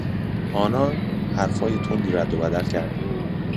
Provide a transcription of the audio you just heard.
آنان حرفهای تندی ردوبدل کردند.